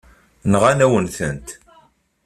Nɣan-awen-tent.